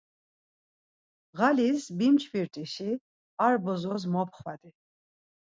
Ğalis binçvirt̆işi ar bozos mopxvadi.